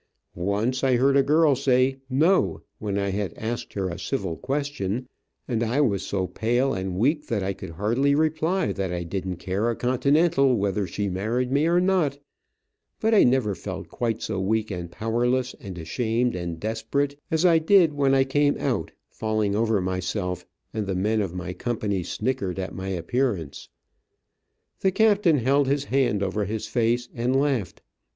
Once I heard a girl say "no," when I had asked her a civil question, and I was so pale and weak that I could hardly reply that I didn't care a continental whether she married me or not, but I never felt quite so weak, and powerless, and ashamed, and desperate as I did when I came out, falling over myself and the men of my company snickered at my appearance. The captain held his hand over his face and laughed.